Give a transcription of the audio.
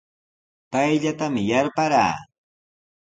Payllatami yarparaa.